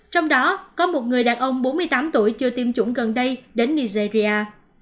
trong đó có một người đàn ông bốn mươi tám tuổi chưa tiêm chủng gần đây đến nigeria